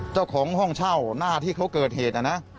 เจ้าของห้องเช่าหน้าที่เขาเกิดเหตุนะ